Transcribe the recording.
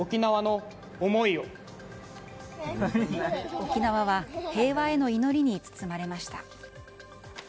沖縄は平和への祈りに包まれました。